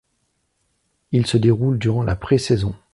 Il se déroule durant la pré-saison.